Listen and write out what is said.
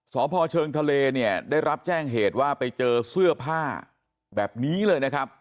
สพเชิงทะเลเนี่ยได้รับแจ้งเหตุว่าไปเจอเสื้อผ้าแบบนี้เลยนะครับ